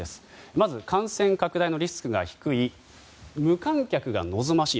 まず、感染拡大のリスクが低い無観客が望ましい。